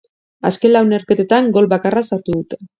Azken lau neurketetan gol bakarra sartu dute.